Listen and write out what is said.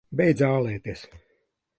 Beidz ālēties!